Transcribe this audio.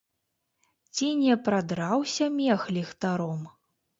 Ці не прадраўся мех ліхтаром?